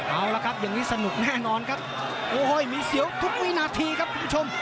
เอาละครับอย่างนี้สนุกแน่นอนครับโอ้โหมีเสียวทุกวินาทีครับคุณผู้ชม